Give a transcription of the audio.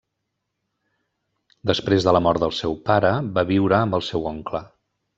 Després de la mort del seu pare, va viure amb el seu oncle.